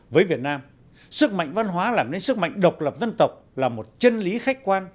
với việt nam sức mạnh văn hóa làm nên sức mạnh độc lập dân tộc là một chân lý khách quan